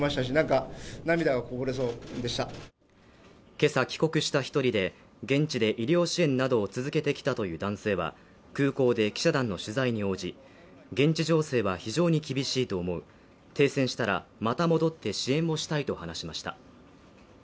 今朝帰国した１人で、現地で医療支援などを続けてきたという男性は、空港で記者団の取材に応じ、現地情勢は非常に厳しいと思う停戦したら、また戻って支援をしたいと話しました。